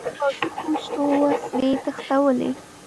له پوځي پوستو وسلې تښتولې.